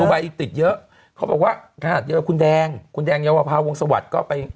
ดูไบติดเยอะเขาบอกว่าค่ะเดี๋ยวคุณแดงคุณแดงเยาวภาววงศวรรษก็ไป